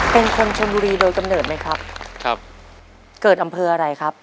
เป็นคนชนบุรีโดยกำเนิดไหมครับครับเกิดอำเภออะไรครับ